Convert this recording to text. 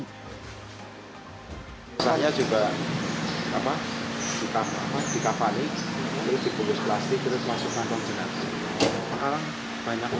hai hanya juga apa kita kita panik terus dikubus plastik terus masukkan kombinasi